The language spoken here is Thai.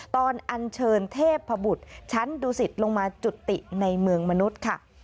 อันเชิญเทพบุตรชั้นดุสิตลงมาจุติในเมืองมนุษย์ค่ะ